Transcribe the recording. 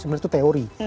sebenarnya itu teori